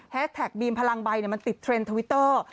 แท็กบีมพลังใบมันติดเทรนด์ทวิตเตอร์